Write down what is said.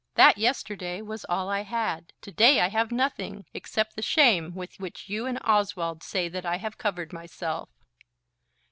that yesterday was all I had. To day I have nothing, except the shame with which you and Oswald say that I have covered myself."